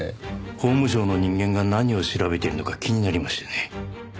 法務省の人間が何を調べているのか気になりましてね。